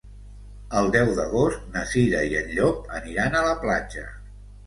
El deu d'agost na Cira i en Llop aniran a la platja.